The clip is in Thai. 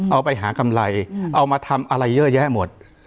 เอาไปหากำไรเอามาทำอะไรเยอะแยะหมด